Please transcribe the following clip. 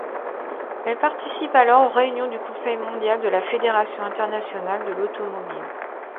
Elle participe alors aux réunions du conseil mondial de la Fédération internationale de l'automobile.